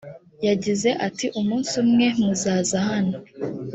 yagize ati umunsi umwe muzaza hano